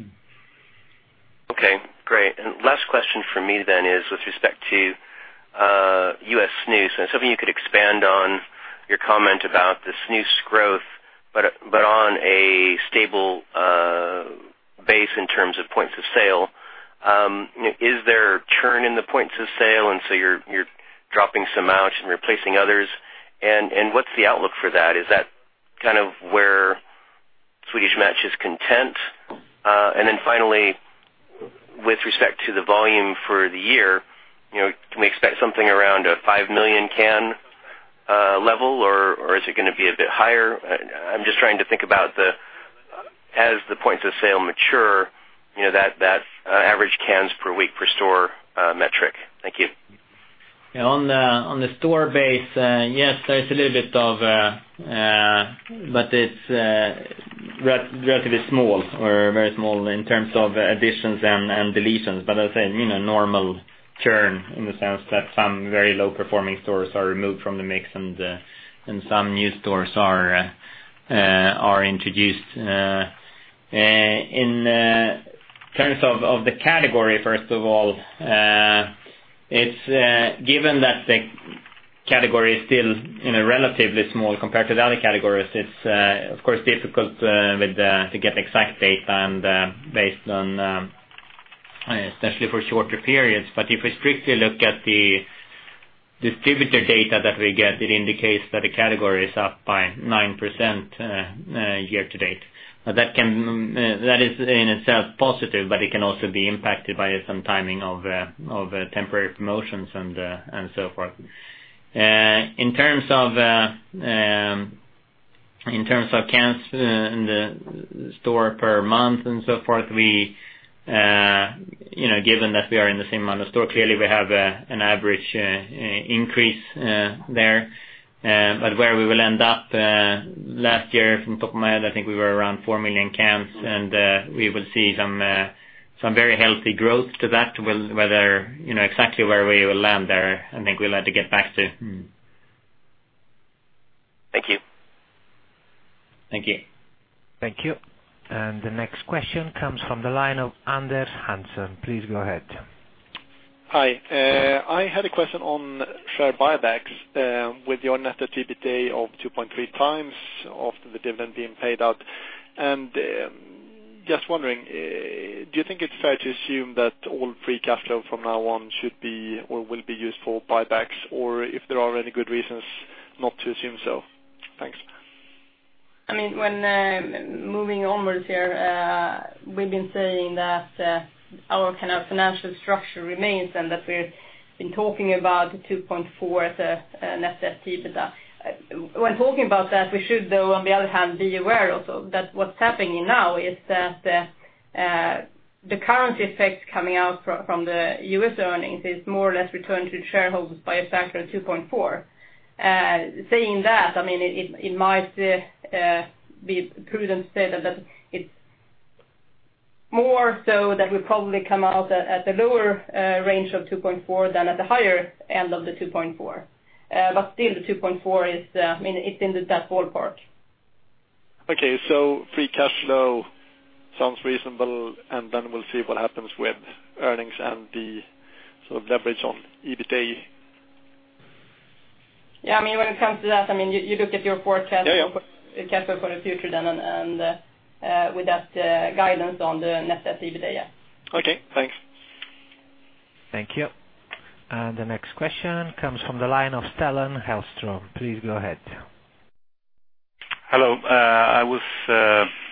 Speaker 7: Okay, great. Last question from me then is with respect to U.S. snus, and it's something you could expand on your comment about the snus growth, but on a stable base in terms of points of sale. Is there a churn in the points of sale and so you're dropping some out and replacing others? What's the outlook for that? Is that where Swedish Match is content? Finally, with respect to the volume for the year, can we expect something around a 5 million can level or is it going to be a bit higher? I'm just trying to think about as the points of sale mature, that average cans per week per store metric. Thank you.
Speaker 3: On the store base, yes, there's a little bit. But it's relatively small or very small in terms of additions and deletions. As I said, normal churn in the sense that some very low-performing stores are removed from the mix and some new stores are introduced. In terms of the category, first of all, given that the category is still relatively small compared to the other categories, it's of course difficult to get exact data based on, especially for shorter periods. If we strictly look at the distributor data that we get, it indicates that the category is up by 9% year-to-date. That is in itself positive, but it can also be impacted by some timing of temporary promotions and so forth. In terms of cans in the store per month and so forth, given that we are in the same amount of store, clearly we have an average increase there. Where we will end up, last year from top of my head, I think we were around 4 million cans and we will see some very healthy growth to that. Whether exactly where we will land there, I think we'll have to get back to you.
Speaker 7: Thank you.
Speaker 3: Thank you.
Speaker 1: Thank you. The next question comes from the line of Anders Hanson. Please go ahead.
Speaker 8: Hi. I had a question on share buybacks with your net of EBITDA of 2.3 times after the dividend being paid out. Just wondering, do you think it's fair to assume that all free cash flow from now on should be or will be used for buybacks? If there are any good reasons not to assume so. Thanks.
Speaker 4: When moving onwards here, we've been saying that our kind of financial structure remains and that we've been talking about the 2.4 as a net debt EBITDA. When talking about that, we should, though, on the other hand, be aware also that what's happening now is that the currency effect coming out from the U.S. earnings is more or less returned to shareholders by a factor of 2.4. Saying that, it might be prudent to say that it's more so that we probably come out at the lower range of 2.4 than at the higher end of the 2.4. Still the 2.4 is in that ballpark.
Speaker 8: Okay. free cash flow sounds reasonable, and then we'll see what happens with earnings and the sort of leverage on EBITDA.
Speaker 4: Yeah, when it comes to that, you look at your forecast.
Speaker 8: Yeah
Speaker 4: your forecast for the future then and with that, the guidance on the net debt EBITDA, yeah.
Speaker 8: Okay, thanks.
Speaker 1: Thank you. The next question comes from the line of Stellan Hellström. Please go ahead.
Speaker 9: Hello. I was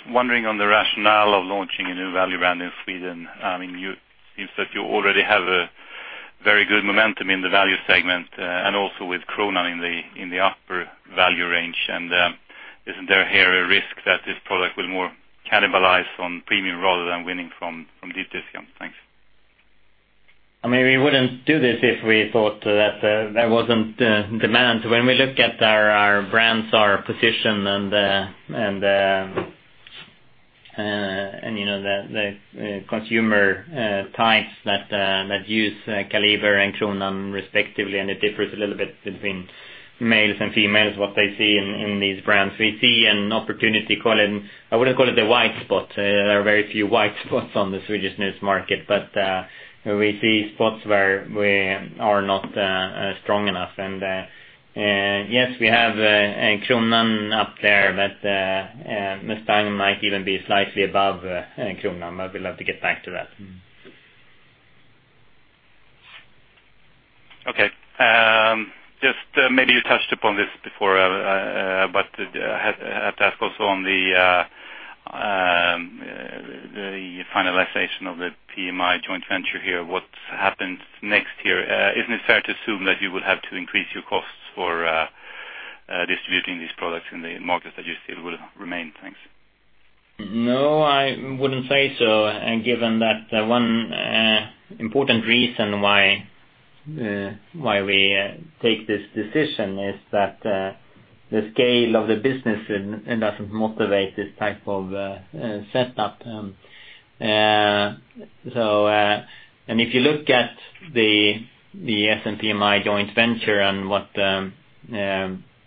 Speaker 9: wondering on the rationale of launching a new value brand in Sweden. It seems that you already have a very good momentum in the value segment and also with Kronan in the upper value range. Isn't there here a risk that this product will more cannibalize on premium rather than winning from deep discount? Thanks.
Speaker 3: We wouldn't do this if we thought that there wasn't demand. When we look at our brands, our position and the consumer types that use Kaliber and Kronan respectively, it differs a little bit between males and females, what they see in these brands. We see an opportunity, I wouldn't call it a white spot. There are very few white spots on the Swedish snus market, but we see spots where we are not strong enough. Yes, we have Kronan up there, but Mustang might even be slightly above Kronan, but we'll have to get back to that.
Speaker 9: Okay. Just maybe you touched upon this before, but I have to ask also on the finalization of the PMI joint venture here. What happens next year? Isn't it fair to assume that you will have to increase your costs for distributing these products in the markets that you said would remain? Thanks.
Speaker 3: No, I wouldn't say so, given that one important reason why we take this decision is that the scale of the business doesn't motivate this type of setup. If you look at the S&PMI joint venture and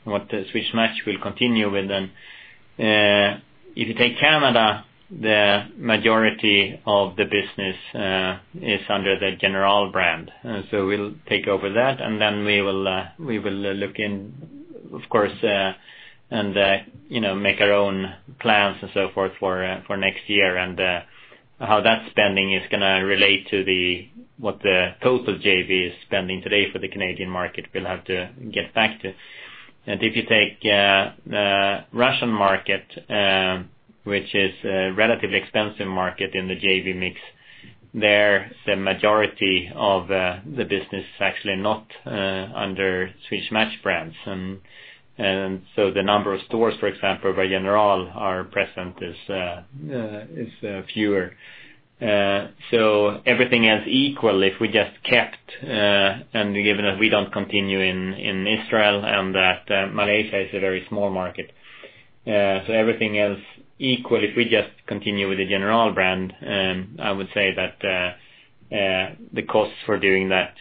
Speaker 3: what Swedish Match will continue with, if you take Canada, the majority of the business is under the General brand. We'll take over that, and then we will look in, of course, and make our own plans and so forth for next year, and how that spending is going to relate to what the total JV is spending today for the Canadian market, we'll have to get back to. If you take the Russian market, which is a relatively expensive market in the JV mix, there, the majority of the business is actually not under Swedish Match brands. The number of stores, for example, by General are present is fewer. Everything else equal, if we just kept, and given that we don't continue in Israel and that Malaysia is a very small market. Everything else equal, if we just continue with the General brand, I would say that the costs for doing that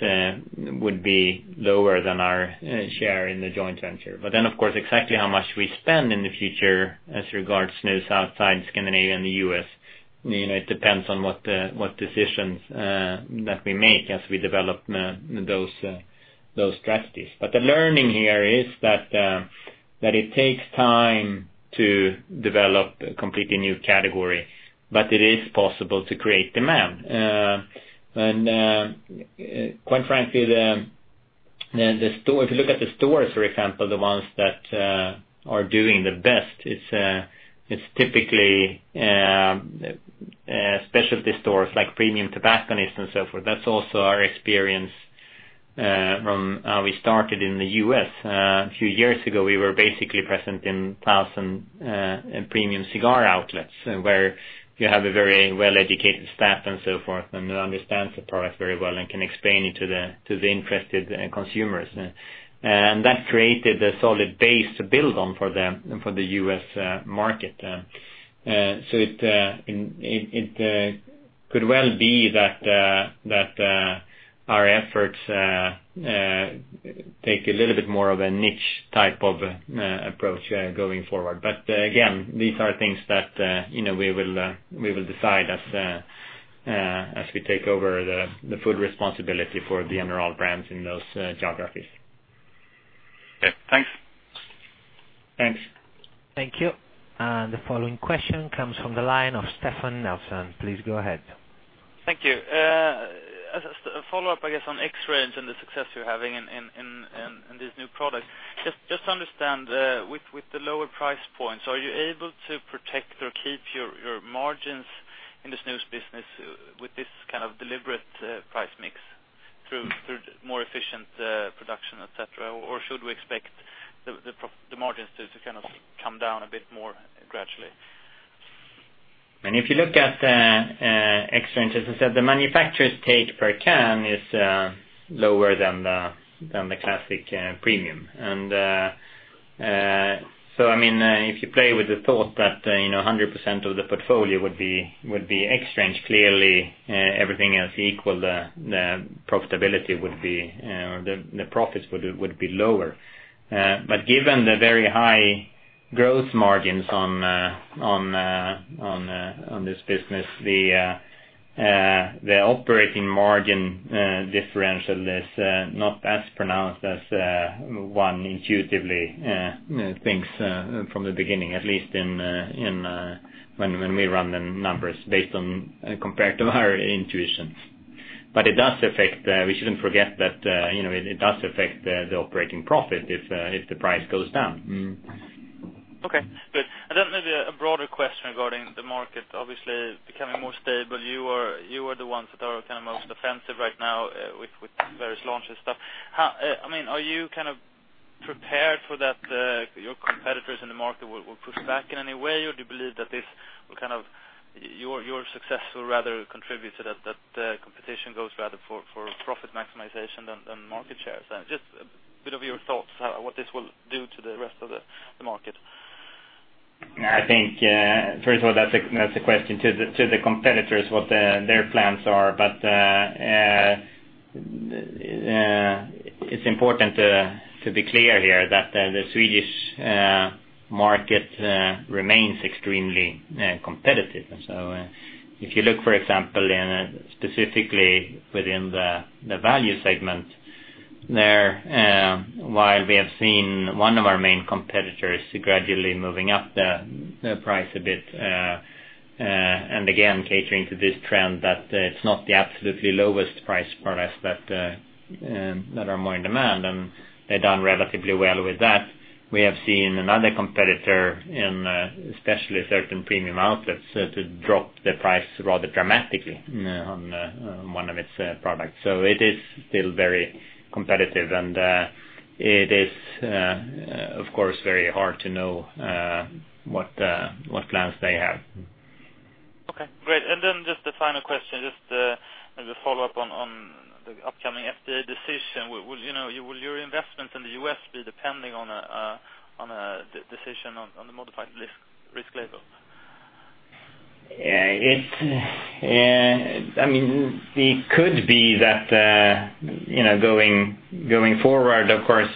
Speaker 3: would be lower than our share in the joint venture. Of course, exactly how much we spend in the future as regards snus outside Scandinavia and the U.S., it depends on what decisions that we make as we develop those strategies. The learning here is that it takes time to develop a completely new category, but it is possible to create demand. Quite frankly, if you look at the stores, for example, the ones that are doing the best, it's typically specialty stores like premium tobacconists and so forth. That's also our experience from how we started in the U.S. A few years ago, we were basically present in 1,000 premium cigar outlets, where you have a very well-educated staff and so forth, and that understands the product very well and can explain it to the interested consumers. That created a solid base to build on for the U.S. market. It could well be that our efforts take a little bit more of a niche type of approach going forward. Again, these are things that we will decide as we take over the full responsibility for the General brands in those geographies.
Speaker 9: Yeah. Thanks.
Speaker 3: Thanks.
Speaker 1: Thank you. The following question comes from the line of Stefan Nelson. Please go ahead.
Speaker 10: Thank you. As a follow-up, I guess, on XRANGE and the success you are having in this new product. To understand, with the lower price points, are you able to protect or keep your margins in the snus business with this kind of deliberate price mix through more efficient production, et cetera? Should we expect the margins to kind of come down a bit more gradually?
Speaker 3: If you look at XRANGE, as I said, the manufacturer's take per can is lower than the classic premium. If you play with the thought that 100% of the portfolio would be XRANGE, clearly everything else equal, the profits would be lower. Given the very high growth margins on this business, the operating margin differential is not as pronounced as one intuitively thinks from the beginning, at least when we run the numbers based on comparative higher intuitions. We shouldn't forget that it does affect the operating profit if the price goes down.
Speaker 10: Okay, good. Maybe a broader question regarding the market, obviously becoming more stable. You are the ones that are most offensive right now with various launches and stuff. Are you prepared for that your competitors in the market will push back in any way? Do you believe that your success will rather contribute to that competition goes rather for profit maximization than market shares? Just a bit of your thoughts, what this will do to the rest of the market.
Speaker 3: First of all, that's a question to the competitors, what their plans are. It's important to be clear here that the Swedish market remains extremely competitive. If you look, for example, specifically within the value segment there, while we have seen one of our main competitors gradually moving up the price a bit, and again, catering to this trend that it's not the absolutely lowest priced products that are more in demand, and they've done relatively well with that. We have seen another competitor in especially certain premium outlets, to drop the price rather dramatically on one of its products. It is still very competitive, and it is, of course, very hard to know what plans they have.
Speaker 10: Okay, great. Just the final question, just as a follow-up on the upcoming FDA decision. Will your investment in the U.S. be depending on a decision on the modified risk label?
Speaker 3: It could be that going forward, of course,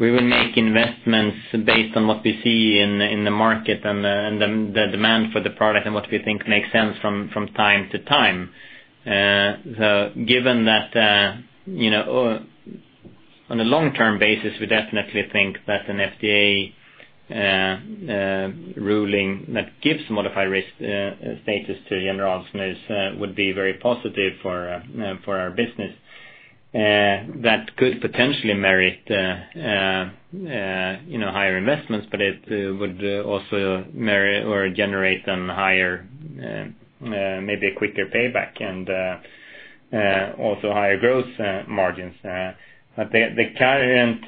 Speaker 3: we will make investments based on what we see in the market and the demand for the product and what we think makes sense from time to time. Given that on a long-term basis, we definitely think that an FDA ruling that gives modified risk status to General Snus would be very positive for our business. That could potentially merit higher investments, but it would also merit or generate some higher, maybe a quicker payback and also higher growth margins. The current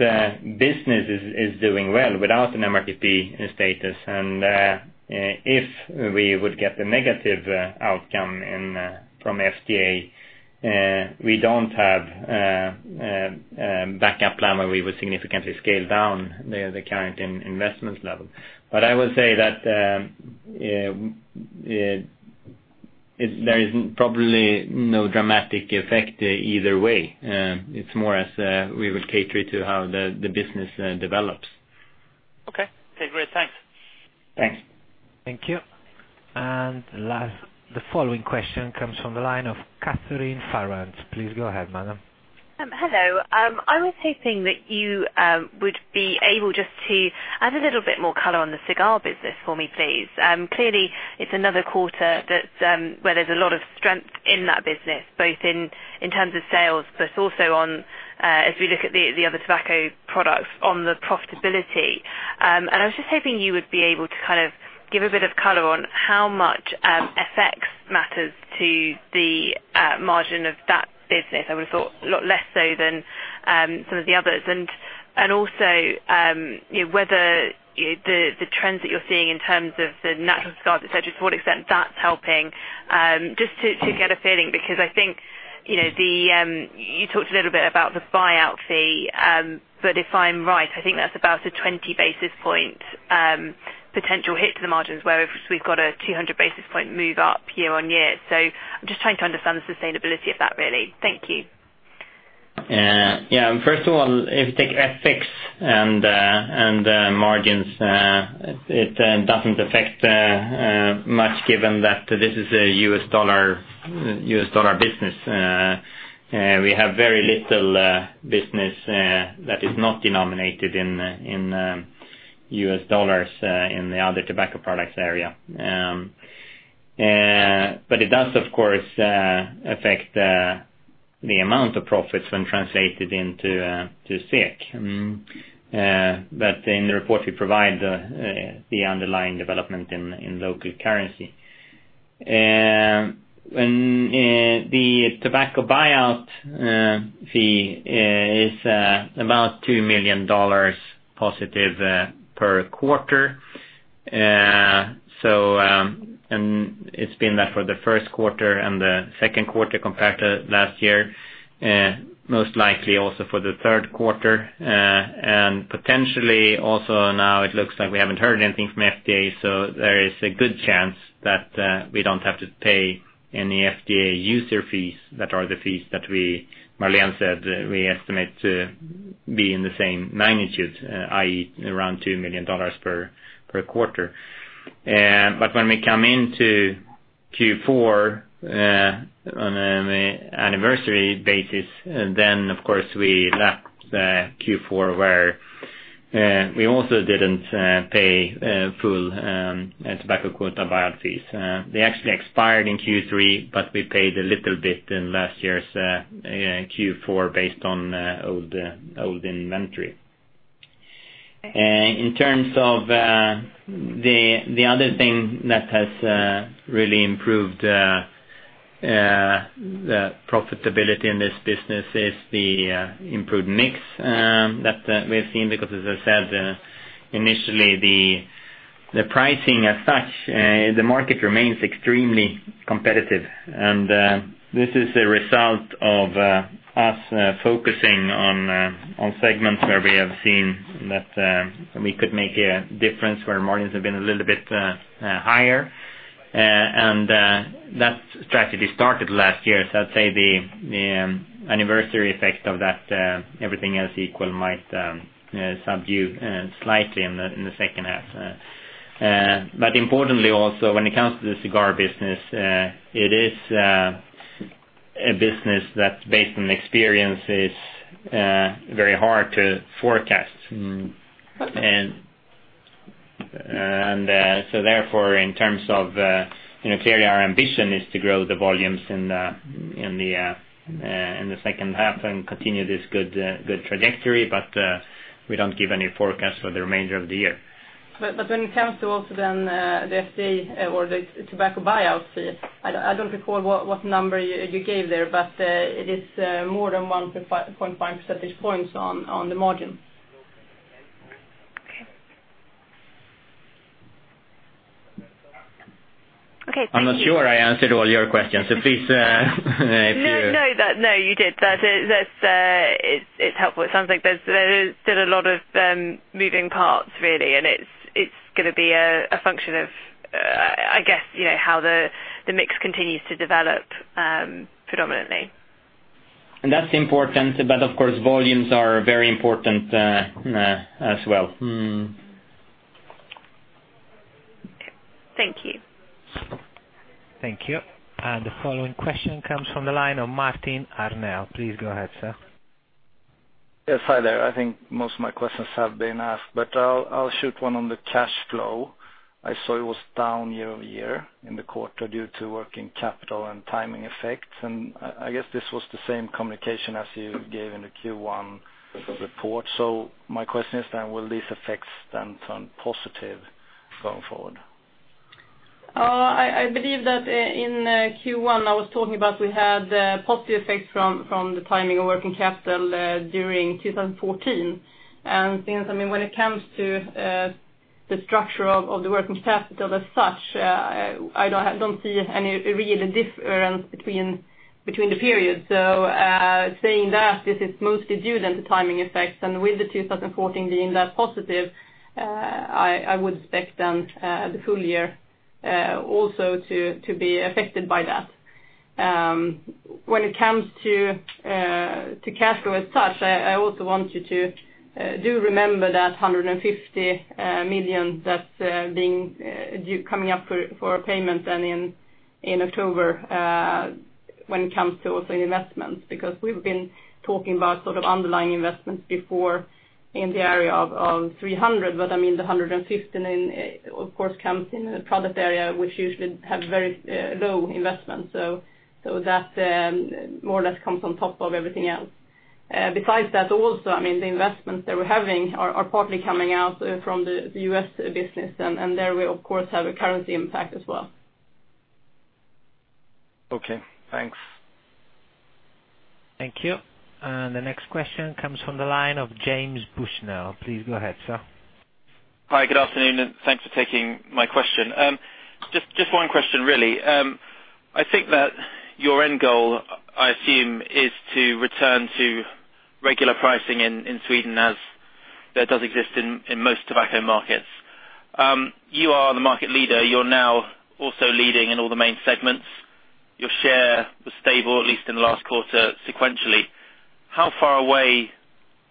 Speaker 3: business is doing well without an MRTP status. If we would get a negative outcome from FDA, we don't have a backup plan where we would significantly scale down the current investment level. I would say that there is probably no dramatic effect either way. It's more as we would cater it to how the business develops.
Speaker 10: Okay, great. Thanks.
Speaker 3: Thanks.
Speaker 1: Thank you. The following question comes from the line of Catherine Farrant. Please go ahead, madam.
Speaker 11: Hello. I was hoping that you would be able just to add a little bit more color on the cigar business for me, please. Clearly, it's another quarter where there's a lot of strength in that business, both in terms of sales, but also on, as we look at the other tobacco products on the profitability. I was just hoping you would be able to give a bit of color on how much FX matters to the margin of that business. I would have thought a lot less so than some of the others. Also, whether the trends that you're seeing in terms of the natural cigars, et cetera, to what extent that's helping, just to get a feeling, because I think you talked a little bit about the buyout fee. If I'm right, I think that's about a 20 basis points potential hit to the margins, whereas we've got a 200 basis points move up year-on-year. I'm just trying to understand the sustainability of that, really. Thank you.
Speaker 3: Yeah. First of all, if you take FX and margins, it doesn't affect much given that this is a US dollar business. We have very little business that is not denominated in US dollars in the other tobacco products area. It does, of course, affect the amount of profits when translated into SEK. In the report, we provide the underlying development in local currency. The tobacco buyout fee is about $2 million positive per quarter. It's been that for the first quarter and the second quarter compared to last year, most likely also for the third quarter. Potentially also now it looks like we haven't heard anything from FDA, so there is a good chance that we don't have to pay any FDA user fees that are the fees that we, Marlene said, we estimate to be in the same magnitude, i.e., around $2 million per quarter. When we come into Q4 on an anniversary basis, then of course we lap Q4 where we also didn't pay full tobacco quota buyout fees. They actually expired in Q3, but we paid a little bit in last year's Q4 based on old inventory. In terms of the other thing that has really improved the profitability in this business is the improved mix that we've seen because as I said, initially the pricing as such, the market remains extremely competitive. This is a result of us focusing on segments where we have seen that we could make a difference where margins have been a little bit higher. That strategy started last year. I'd say the anniversary effect of that, everything else equal might subdue slightly in the second half. Importantly also, when it comes to the cigar business, it is a business that based on experience is very hard to forecast.
Speaker 11: Okay.
Speaker 3: Therefore, in terms of, clearly our ambition is to grow the volumes in the second half and continue this good trajectory. We don't give any forecast for the remainder of the year.
Speaker 4: When it comes to also then the FDA or the tobacco buyouts, I don't recall what number you gave there, but it is more than 1.5 percentage points on the margin.
Speaker 11: Okay. Okay, thank you.
Speaker 3: I'm not sure I answered all your questions.
Speaker 11: No, you did. It's helpful. It sounds like there is still a lot of moving parts, really, and it's going to be a function of, I guess, how the mix continues to develop predominantly.
Speaker 3: That's important. Of course, volumes are very important as well.
Speaker 11: Okay. Thank you.
Speaker 1: Thank you. The following question comes from the line of Martin Arnell. Please go ahead, sir.
Speaker 12: Yes. Hi there. I think most of my questions have been asked, but I'll shoot one on the cash flow. I saw it was down year-over-year in the quarter due to working capital and timing effects, and I guess this was the same communication as you gave in the Q1 report. My question is then, will these effects then turn positive going forward?
Speaker 4: I believe that in Q1, I was talking about we had a positive effect from the timing of working capital during 2014. Since, when it comes to the structure of the working capital as such, I don't see any real difference between the periods. Saying that, this is mostly due then to timing effects, and with the 2014 being that positive, I would expect then the full year also to be affected by that. When it comes to cash flow as such, I also want you to do remember that 150 million that's coming up for a payment then in October, when it comes to also investments. We've been talking about underlying investments before in the area of 300. The 150 of course comes in a product area which usually have very low investment. That more or less comes on top of everything else. Besides that also, the investments that we're having are partly coming out from the U.S. business. There we of course have a currency impact as well.
Speaker 12: Okay, thanks.
Speaker 1: Thank you. The next question comes from the line of James Bushnell. Please go ahead, sir.
Speaker 13: Hi, good afternoon, thanks for taking my question. Just one question, really. I think that your end goal, I assume, is to return to regular pricing in Sweden as that does exist in most tobacco markets. You are the market leader. You're now also leading in all the main segments. Your share was stable, at least in the last quarter sequentially. How far away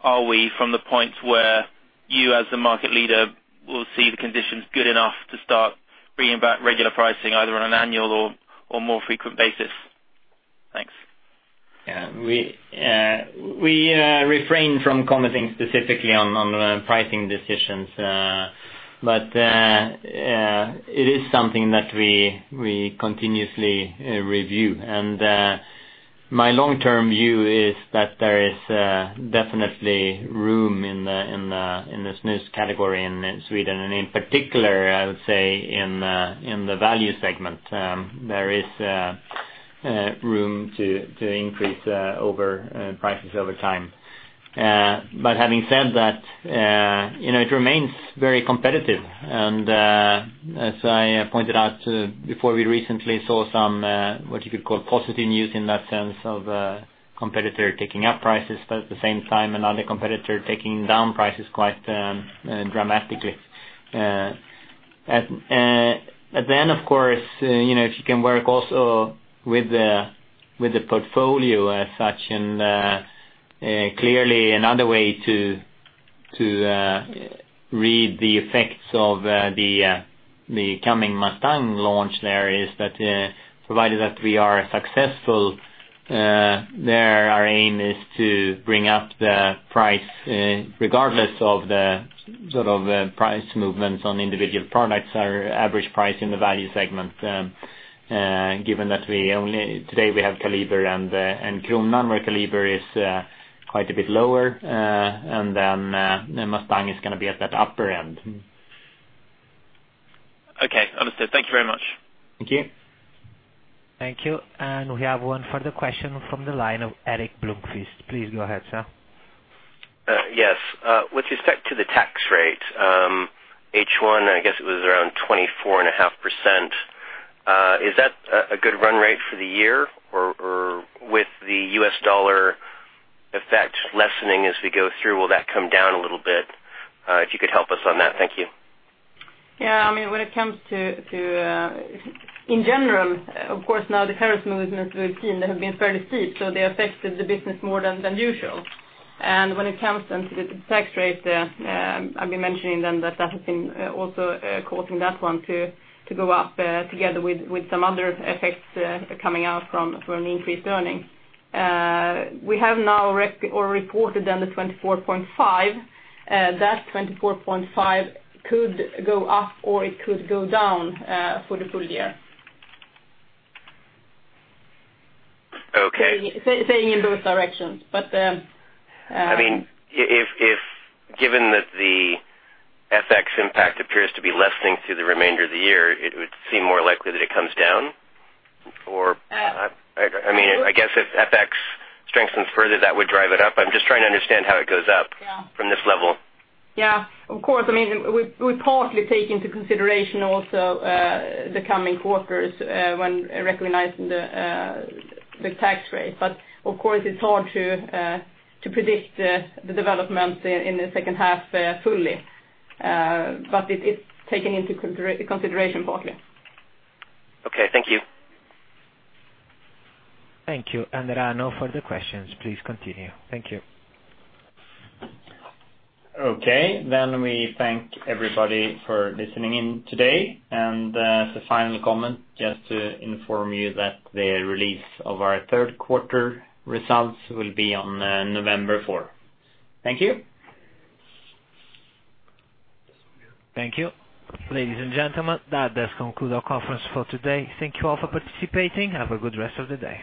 Speaker 13: are we from the point where you, as the market leader, will see the conditions good enough to start bringing back regular pricing, either on an annual or more frequent basis? Thanks.
Speaker 3: Yeah. We refrain from commenting specifically on the pricing decisions. It is something that we continuously review. My long-term view is that there is definitely room in the snus category in Sweden, and in particular, I would say in the value segment. There is room to increase prices over time. Having said that, it remains very competitive, and as I pointed out before, we recently saw some, what you could call positive news in that sense of a competitor taking up prices. At the same time, another competitor taking down prices quite dramatically. At the end, of course, if you can work also with the portfolio as such and clearly another way to read the effects of the coming Mustang launch there is that, provided that we are successful there, our aim is to bring up the price regardless of the price movements on individual products, our average price in the value segment, given that today we have Kaliber and Kronan, where Kaliber is quite a bit lower. Mustang is going to be at that upper end.
Speaker 13: Okay. Understood. Thank you very much.
Speaker 3: Thank you.
Speaker 1: Thank you. We have one further question from the line of Erik Bloomquist. Please go ahead, sir.
Speaker 7: Yes. With respect to the tax rate, H1, I guess it was around 24.5%. Is that a good run rate for the year? With the US dollar effect lessening as we go through, will that come down a little bit? If you could help us on that. Thank you.
Speaker 4: Yeah. In general, of course, now the currency movements we've seen have been fairly steep, so they affected the business more than usual. When it comes then to the tax rate, I've been mentioning then that has been also causing that one to go up together with some other effects coming out from an increased earning. We have now reported then the 24.5%. That 24.5% could go up or it could go down for the full year.
Speaker 7: Okay.
Speaker 4: Saying in both directions.
Speaker 7: Given that the FX impact appears to be lessening through the remainder of the year, it would seem more likely that it comes down? I guess if FX strengthens further, that would drive it up. I'm just trying to understand how it goes up.
Speaker 4: Yeah
Speaker 7: from this level.
Speaker 4: Yeah. Of course, we partly take into consideration also the coming quarters when recognizing the tax rate. Of course, it's hard to predict the development in the second half fully. It's taken into consideration partly.
Speaker 7: Okay. Thank you.
Speaker 1: Thank you. There are no further questions. Please continue. Thank you.
Speaker 3: Okay. We thank everybody for listening in today. As a final comment, just to inform you that the release of our third quarter results will be on November 4th. Thank you.
Speaker 1: Thank you. Ladies and gentlemen, that does conclude our conference for today. Thank you all for participating. Have a good rest of the day.